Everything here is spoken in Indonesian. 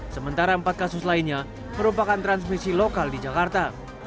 sementara empat kasus lainnya merupakan transmisi lokal di jakarta